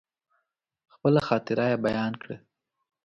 خپله خاطره يې بيان کړه.